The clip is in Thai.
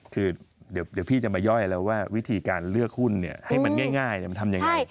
คือเดี๋ยวพี่จะมาย่อยแล้วว่าวิธีการเลือกหุ้นให้มันง่ายมันทำยังไง